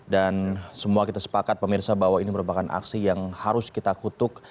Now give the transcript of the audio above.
dan semua kita sepakat pemirsa bahwa ini merupakan aksi yang harus kita kutuk